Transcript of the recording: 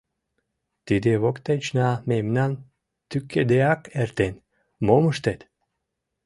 Тиде воктечна мемнам тӱкыдеак эртен, мом ыштет.